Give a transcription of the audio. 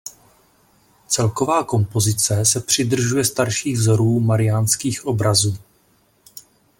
Celková kompozice se přidržuje starších vzorů mariánských obrazů.